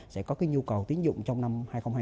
sẽ có nhu cầu tính dụng trong năm hai nghìn hai mươi bốn